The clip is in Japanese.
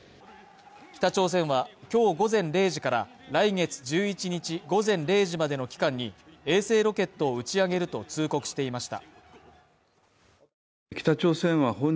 北朝鮮は今日午前０時から来月１１日午前０時までの期間に衛星ロケットを打ち上げると通告していました。